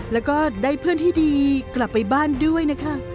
แล้วก็ได้เพื่อนที่ดีกลับไปบ้านด้วยนะคะ